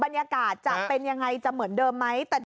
บรรยากาศจะเป็นยังไงจะเหมือนเดิมไหม